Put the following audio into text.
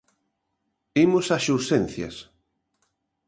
Imos ás urxencias.